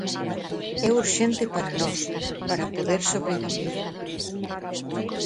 É urxente para nós, para poder sobrevivir.